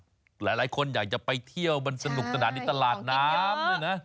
หลายคนอยากจะไปเที่ยวมันสนุกตระดับในตลาดน้ำ